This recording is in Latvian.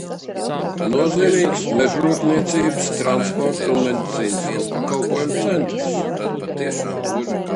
Nozīmīgs mežrūpniecības, transporta un medicīnisko pakalpojumu centrs.